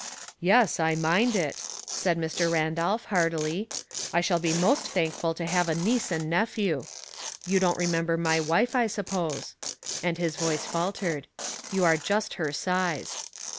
" Yes, I mind it," said Mr. Randolph, heart ily ;" I shall be most thankful to have a niece and nephew. You don't remember my wife, I suppose," and his voice faltered. " You are just her size."